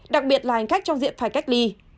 đặc biệt là hành khách trong diện phải cách ly